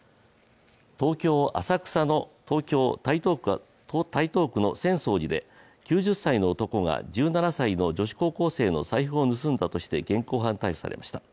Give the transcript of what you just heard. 東京・台東区の浅草寺で９０歳の男が１７歳の女子高校生の財布を盗んだとして現行犯逮捕されました。